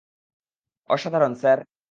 অসাধারণ, স্যার!